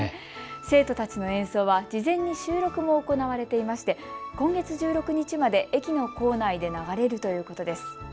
生徒たちの演奏は事前に収録も行われていまして今月１６日まで駅の構内で流れるということです。